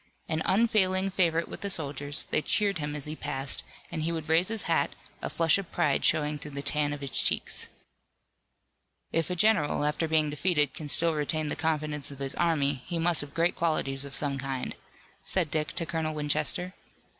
An unfailing favorite with the soldiers, they cheered him as he passed, and he would raise his hat, a flush of pride showing through the tan of his cheeks. "If a general, after being defeated, can still retain the confidence of his army he must have great qualities of some kind," said Dick to Colonel Winchester.